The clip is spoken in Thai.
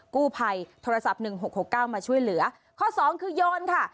กู้ภัยโทรศัพท์หนึ่งหกหกเก้ามาช่วยเหลือข้อสองคือโยนค่ะ